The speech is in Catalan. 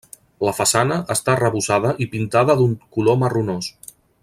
La façana està arrebossada i pintada d'un color marronós.